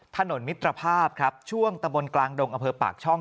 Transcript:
ถนนมิตรภาพครับช่วงตะบนกลางดงอำเภอปากช่อง